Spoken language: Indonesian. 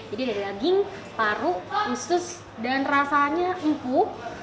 jadi ada daging paru ustus dan rasanya empuk